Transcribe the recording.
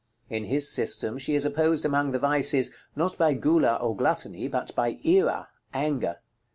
In his system, she is opposed among the vices, not by Gula or Gluttony, but by Ira, Anger.